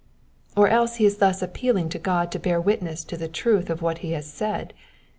Or else he is thus appealing to God to bear witness to the truth of what he has said.